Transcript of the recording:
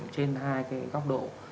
trên hai góc độ